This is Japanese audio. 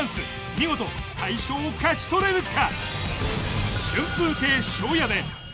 見事大賞を勝ち取れるか！